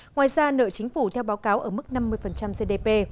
ngoài ra nợ chính phủ theo báo cáo ở mức năm mươi gdp